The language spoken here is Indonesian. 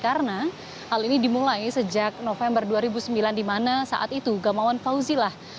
karena hal ini dimulai sejak november dua ribu sembilan di mana saat itu gamawan fauzi lah